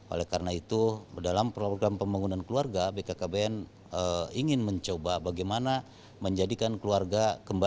oleh karena itu dalam program pembangunan keluarga bkkbn ingin mencoba bagaimana menjadikan keluarga kembali